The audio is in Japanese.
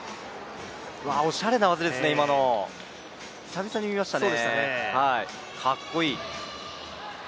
おしゃれな技ですね、今の、久々に見ましたね。